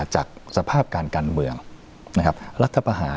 จากสภาพการกันเมืองนะครับ